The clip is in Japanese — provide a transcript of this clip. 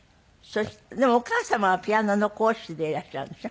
でもお母様はピアノの講師でいらっしゃるんでしょ？